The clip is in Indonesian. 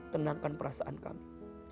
tenangkan hati kami